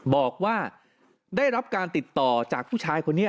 บอกว่าได้รับการติดต่อจากผู้ชายคนนี้